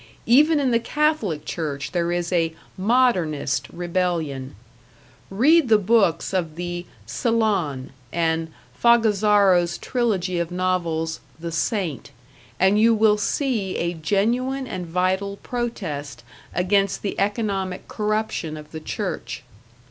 Even in the Catholic Church there is a "modernist" rebellion; read the books of the "Sillon", and Fogazzaro's trilogy of novels, "The Saint", and you will see a genuine and vital protest against the economic corruption of the Church.